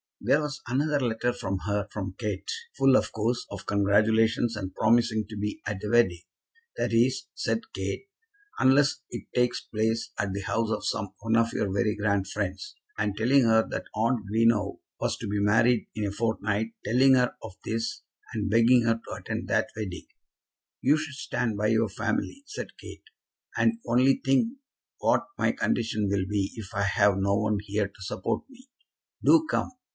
There was another letter for her from Kate, full, of course, of congratulations, and promising to be at the wedding; "that is," said Kate, "unless it takes place at the house of some one of your very grand friends;" and telling her that aunt Greenow was to be married in a fortnight; telling her of this, and begging her to attend that wedding. "You should stand by your family," said Kate. "And only think what my condition will be if I have no one here to support me. Do come.